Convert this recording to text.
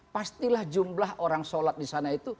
pastilah jumlah orang sholat disana itu